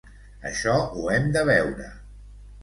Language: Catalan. Això ho hem de veure.